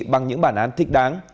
bằng những bản án thích đáng